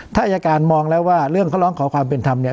ถ้าอายการมองแล้วว่าเรื่องเขาร้องขอความเป็นธรรมเนี่ย